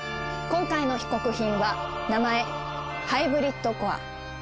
今回の被告品は名前ハイブリッドコア。